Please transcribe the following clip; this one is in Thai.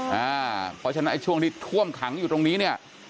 เพราะฉะนั้นช่วงที่ท่วมถังอยู่ตรงนี้